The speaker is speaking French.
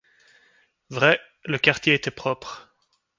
Vrai, le quartier était propre !